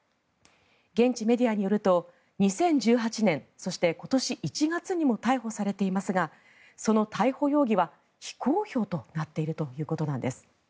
現地メディアによると２０１８年そして今年１月にも逮捕されていますがその逮捕容疑は非公表となっているということなんです。